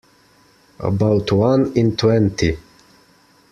About one in twenty.